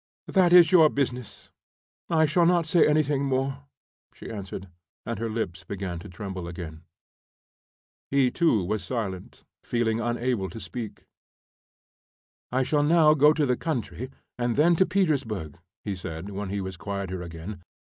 "That is your business. I shall not say anything more," she answered, and her lips began to tremble again. He, too, was silent, feeling unable to speak. "I shall now go to the country, and then to Petersburg," he said, when he was quieter again.